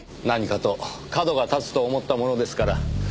何かと角が立つと思ったものですから。